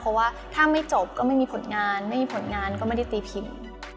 เพราะว่าถ้าไม่จบก็ไม่มีผลงานไม่มีผลงานก็ไม่ได้ตีพิมพ์